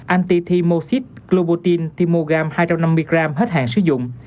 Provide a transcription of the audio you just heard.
antithymocyt globutin thymogam hai trăm năm mươi g hết hạn sử dụng